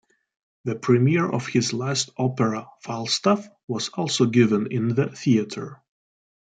The premiere of his last opera, "Falstaff" was also given in the theatre.